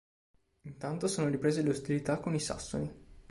Intanto sono riprese le ostilità con i sassoni.